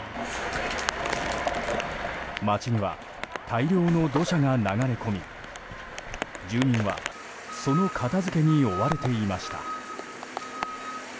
街には大量の土砂が流れ込み住民はその片付けに追われていました。